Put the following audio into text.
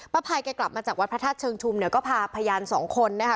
ภัยแกกลับมาจากวัดพระธาตุเชิงชุมเนี่ยก็พาพยานสองคนนะคะ